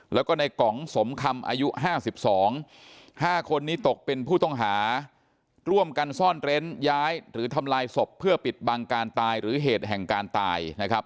แล้วก็ในกองสมคำอายุ๕๒๕คนนี้ตกเป็นผู้ต้องหาร่วมกันซ่อนเร้นย้ายหรือทำลายศพเพื่อปิดบังการตายหรือเหตุแห่งการตายนะครับ